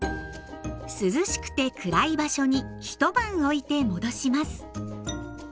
涼しくて暗い場所にひと晩おいて戻します。